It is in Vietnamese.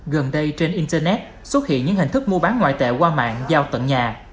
gần đây trên internet xuất hiện những hình thức mua bán ngoại tệ qua mạng giao tận nhà